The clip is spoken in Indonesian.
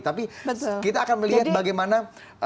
tapi kita akan melihat bagaimana